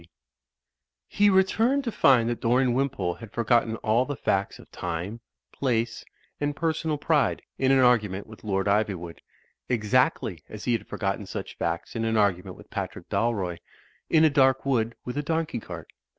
; Digitized by CjOOQ IC THE TURK AND THE FUTURISTS 253 He returned to find that Dorian Wimpole had for gotten all the facts of time, place, and personal pride, in an argument with Lord Ivywood, exactly as he had forgotten such facts in an argument with Patrick Dal roy, in a dark wood with a donkey cart.